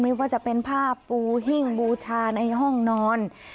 ไม่ว่าจะเป็นผ้าปูหิ้งบูชาในห้องนอน